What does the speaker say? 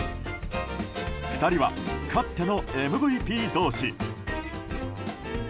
２人は、かつてのＭＶＰ同士。